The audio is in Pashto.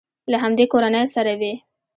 له همدې کورنۍ سره وي.